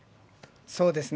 そうですね。